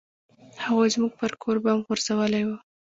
هغوى زموږ پر کور بم غورځولى و.